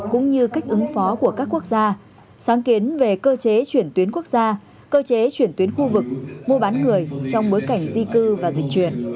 cũng như cách ứng phó của các quốc gia sáng kiến về cơ chế chuyển tuyến quốc gia cơ chế chuyển tuyến khu vực mua bán người trong bối cảnh di cư và dịch chuyển